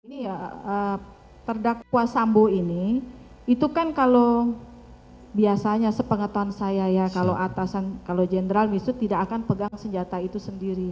ini ya terdakwa sambo ini itu kan kalau biasanya sepengetahuan saya ya kalau atasan kalau jenderal misut tidak akan pegang senjata itu sendiri